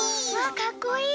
かっこいい！